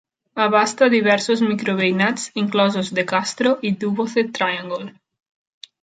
Abasta diversos micro-veïnats inclosos The Castro i Duboce Triangle.